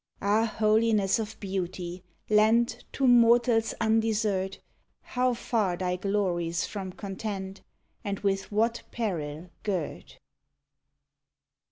Ah, holiness of beauty! lent To mortals' undesert How far thy glories from content, And with what peril girt!